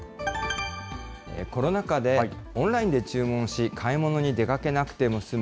コロナ禍でオンラインで注文し、買い物に出かけなくても済む